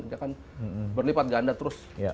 itu akan berlipat ganda terus